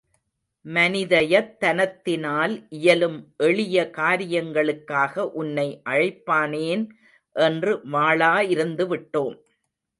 மனிதயத்தனத்தினால் இயலும் எளிய காரியங்களுக்காக உன்னை அழைப்பானேன் என்று வாளா இருந்துவிட்டோம்.